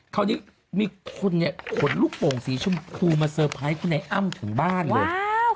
คราวนี้มีคนเนี่ยขนลูกโป่งสีชมพูมาเตอร์ไพรส์คุณไอ้อ้ำถึงบ้านเลย